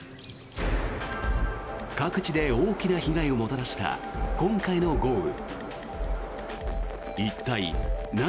各地で大きな被害をもたらした今回の豪雨。